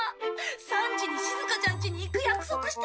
３時にしずかちゃんちに行く約束してたんだ！